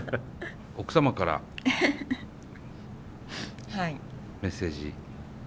奥様からメッセージ。